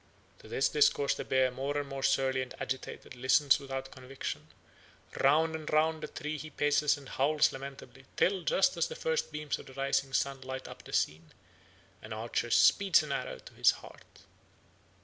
To this discourse the bear, more and more surly and agitated, listens without conviction; round and round the tree he paces and howls lamentably, till, just as the first beams of the rising sun light up the scene, an archer speeds an arrow to his heart.